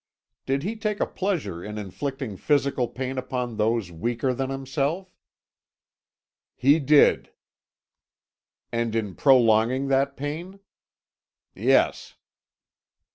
"Did he take a pleasure in inflicting physical pain upon those weaker than himself?" "He did." "And in prolonging that pain?" "Yes."